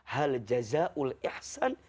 hal jazahul ihsan